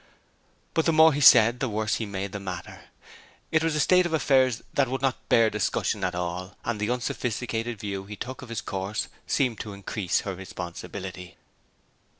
But the more he said the worse he made the matter. It was a state of affairs that would not bear discussion at all, and the unsophisticated view he took of his course seemed to increase her responsibility.